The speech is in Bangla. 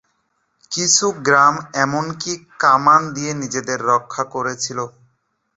কিছু গ্রাম এমনকি কামান দিয়ে নিজেদের রক্ষা করেছিল।